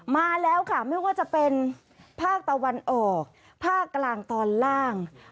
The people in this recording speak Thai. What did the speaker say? มาแล้วค่ะไม่ว่าจะเป็นภาคตะวันออกภาคกลางตอนล่าง